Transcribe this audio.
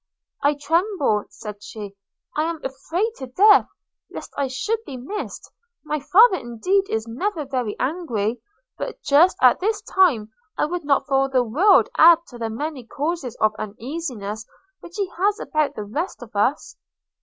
'I tremble,' said she, 'and am terrified to death, lest I should be missed: my father indeed is never very angry; but just at this time I would not for the world add to the many causes of uneasiness which he has about the rest of us.'